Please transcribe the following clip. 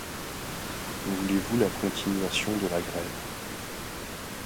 Voulez-vous la continuation de la grève?